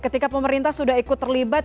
ketika pemerintah sudah ikut terlibat